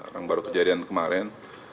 rang baru kejadian kemarin